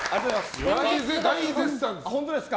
大絶賛です。